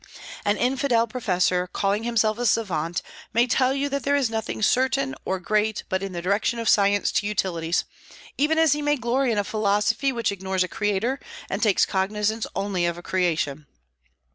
An infidel professor, calling himself a savant, may tell you that there is nothing certain or great but in the direction of science to utilities, even as he may glory in a philosophy which ignores a creator and takes cognizance only of a creation.